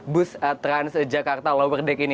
bus transjakarta lower deck ini